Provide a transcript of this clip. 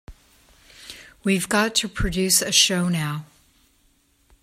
We've got to produce a show now.